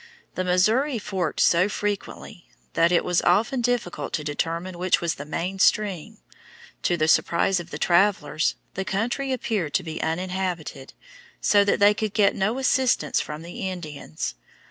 The Missouri forked so frequently that it was often difficult to determine which was the main stream. To the surprise of the travellers, the country appeared to be uninhabited, so that they could get no assistance from the Indians.